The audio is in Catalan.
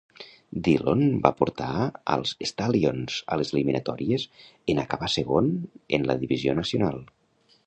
Dhillon va portar als Stallions a les eliminatòries en acabar segon en la Divisió Nacional.